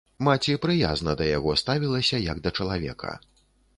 Маці прыязна да яго ставілася як да чалавека.